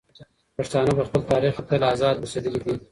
پښتانه په خپل تاریخ کې تل ازاد اوسېدلي دي.